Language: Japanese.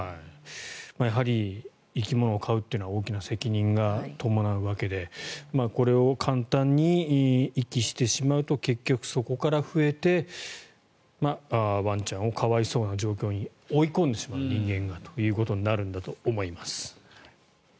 やはり生き物を飼うというのは大きな責任が伴うわけでこれを簡単に遺棄してしまうと結局そこから増えてワンちゃんを人間が可哀想な状況に追い込んでしまうということになるんだと思います。